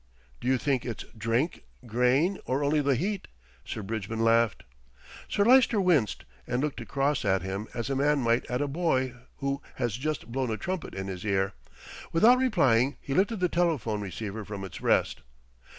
"Do you think it's drink, Grayne, or only the heat?" Sir Bridgman laughed. Sir Lyster winced and looked across at him as a man might at a boy who has just blown a trumpet in his ear. Without replying he lifted the telephone receiver from its rest.